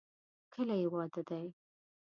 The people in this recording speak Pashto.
کله یې واده دی؟